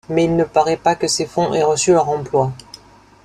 Mais il ne paraît pas que ces fonds aient reçu leur emploi.